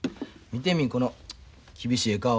見てみこの厳しいええ